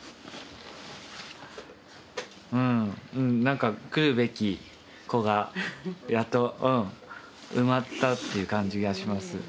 うんうんなんか来るべき子がやっと埋まったっていう感じがします。